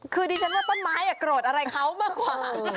คือดิฉันว่าต้นไม้โกรธอะไรเขามากกว่า